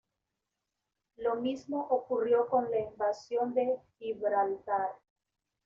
Lo mismo ocurrió con la invasión de Gibraltar.